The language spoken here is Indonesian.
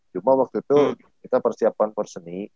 cuma waktu itu kita persiapan perseni